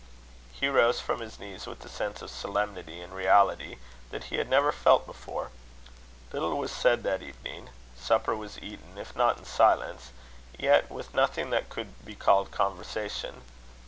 Hugh rose from his knees with a sense of solemnity and reality that he had never felt before. Little was said that evening; supper was eaten, if not in silence, yet with nothing that could be called conversation.